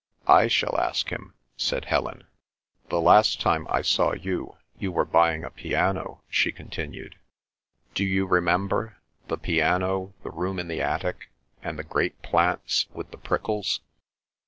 "I shall ask him," said Helen. "The last time I saw you, you were buying a piano," she continued. "Do you remember—the piano, the room in the attic, and the great plants with the prickles?"